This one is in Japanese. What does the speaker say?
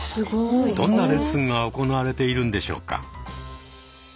どんなレッスンが行われているのでしょうか？